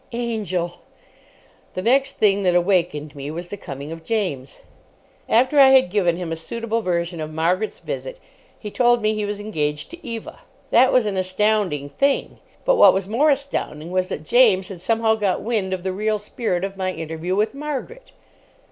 Angel! The next thing that awakened me was the coming of James. After I had given him a suitable version of Margaret's visit, he told me he was engaged to Eva. That was an astounding thing; but what was more astounding was that James had somehow got wind of the real spirit of my interview with Margaret.